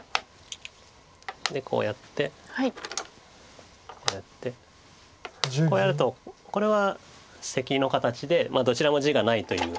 でこうやってこうやってこうやるとこれはセキの形でどちらも地がないという。